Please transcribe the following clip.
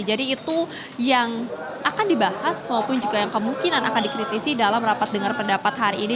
jadi itu yang akan dibahas maupun juga yang kemungkinan akan dikritisi dalam rapat dengar pendapat hari ini